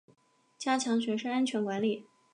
加强学生安全管理